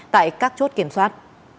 tại các chốt kiểm soát